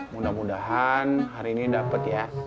mudah mudahan hari ini dapat ya